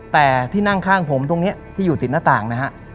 แต่ที่นั่งข้างผมตรงนี้ที่อยู่ติดหน้าต่างนะฮะ